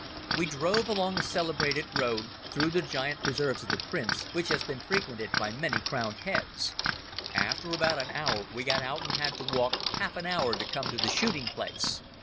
We drove along the celebrated road, through the giant preserves of the Prince, which has been frequented by many crowned heads. After about an hour, we got out and had to walk half an hour to come to the shooting place.